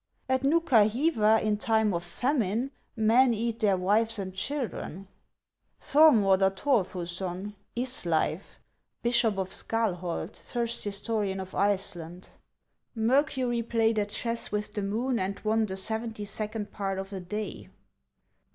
— At Noukahiva, in time of famine, men eat their wives and children. — Thormodr Torfussoii ; Isleif, bishop of Scalholt, first historian of Iceland. — Mercury played at chess with the Moon, and won the seventy second part of a day.